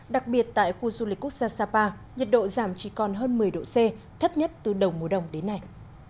đặc biệt tại khu du lịch quốc gia sapa nhiệt độ giảm chỉ còn hơn một mươi độ c thấp nhất từ đầu mùa đông đến nay